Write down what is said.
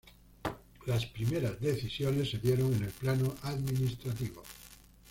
Las primeras decisiones se dieron en el plano administrativo.